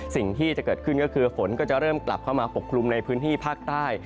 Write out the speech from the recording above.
สิ่งที่จะเกิดขึ้นก็คือฝนก็จะเริ่มกลับเข้ามาปกคลุมในพื้นที่ภาคใต้